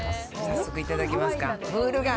早速いただきますか、ムール貝。